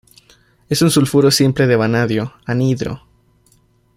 Es un sulfuro simple de vanadio, anhidro.